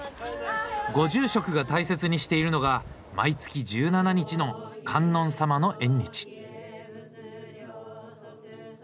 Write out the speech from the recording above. ご住職が大切にしているのが毎月１７日の観音様の縁日。